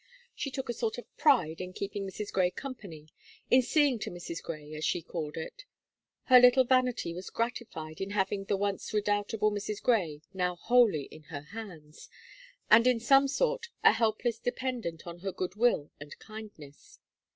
She took a sort of pride in keeping Mrs. Gray company, in seeing to Mrs. Gray, as she called it Her little vanity was gratified in having the once redoubtable Mrs. Gray now wholly in her hands, and in some sort a helpless dependent on her good will and kindness.